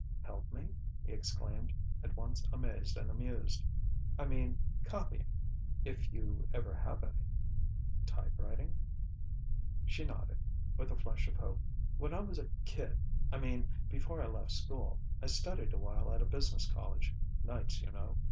"Help me?" he exclaimed, at once amazed and amused. "I mean, copying if you ever have any." "Type writing?" She nodded, with a flush of hope. "When I was a kid I mean, before I left school I studied a while at a business college nights, you know.